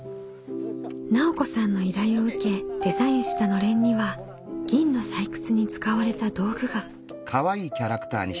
奈緒子さんの依頼を受けデザインした暖簾には銀の採掘に使われた道具が。